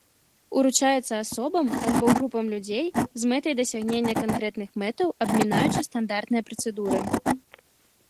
Уручаецца асобам альбо групам людзей з мэтай дасягнення канкрэтных мэтаў, абмінаючы стандартныя працэдуры.